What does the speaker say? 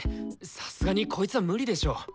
さすがにこいつは無理でしょ。